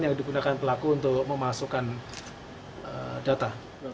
yang digunakan pelaku untuk memasukkan data